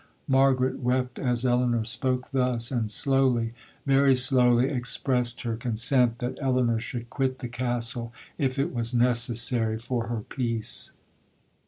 Margaret wept as Elinor spoke thus, and slowly, very slowly, expressed her consent that Elinor should quit the Castle, if it was necessary for her peace.